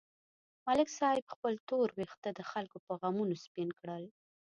ملک صاحب خپل تور وېښته د خلکو په غمونو کې سپین کړل.